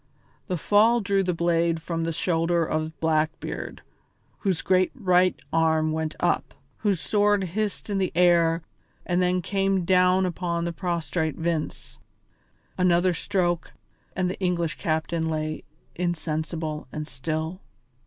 The fall drew the blade from the shoulder of Blackbeard, whose great right arm went up, whose sword hissed in the air and then came down upon the prostrate Vince. Another stroke and the English captain lay insensible and still.